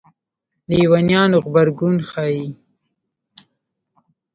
لېونیانو غبرګون ښيي.